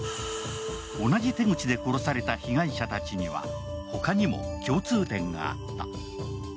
同じ手口で殺された被害者たちには、他にも共通点があった。